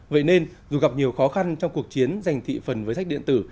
vậy nên dù gặp nhiều khó khăn trong cuộc chiến dành thị phần với sách điện tử